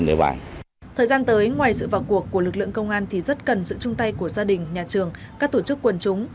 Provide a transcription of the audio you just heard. thời gian tới ngoài sự vào cuộc của lực lượng công an thì rất cần sự chung tay của gia đình nhà trường các tổ chức quần chúng